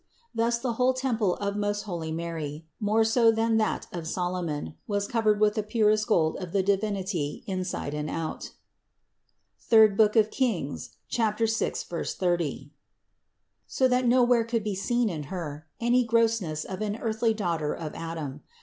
Thus the whole temple of most holy Mary, more so than that of Solomon, was covered with the purest gold of the Divinity inside and out, (III Kings, 6, 30), so that no where could be seen in Her any grossness of an earthly daughter of Adam.